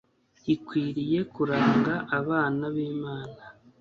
ikwiriye kuranga abana bImana